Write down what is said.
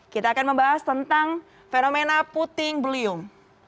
kita akan membahas tentang fenomena puting beliung